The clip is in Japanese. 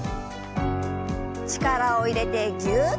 力を入れてぎゅっ。